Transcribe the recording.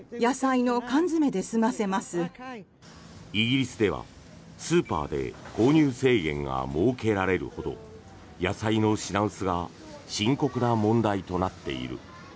イギリスではスーパーで購入制限が設けられるほど野菜の品薄が深刻な問題となっている。